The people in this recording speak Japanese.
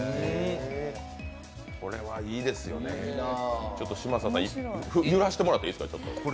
これはいいですよね、嶋佐さん、揺らしてもらっていいですか？